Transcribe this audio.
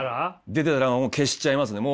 出てたらもう消しちゃいますね。